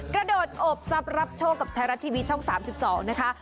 กระโดดอบทรัพย์รับโชคกับไทยรัฐทีวีช่อง๓๒นะคะ